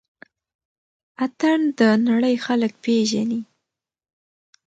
اتڼ د نړۍ خلک پيژني